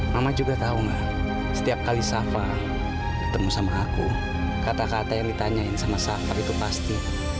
mama juga tahu nggak setiap kali safa ketemu sama aku kata kata yang ditanyain sama safar itu pasti